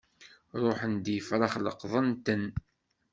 Ṛuḥen-d yefṛax leqḍen-ten.